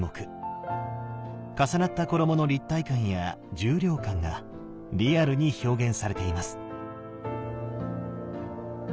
重なった衣の立体感や重量感がリアルに表現されています。